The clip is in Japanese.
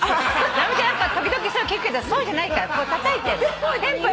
直美ちゃん時々そう聞くけどそうじゃないからたたいてんの。